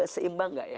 seimbang gak ya